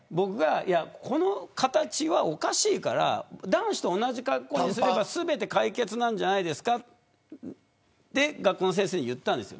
この形は、おかしいから男子と同じ格好にすれば全て解決なんじゃないですかって学校の先生に言ったんです。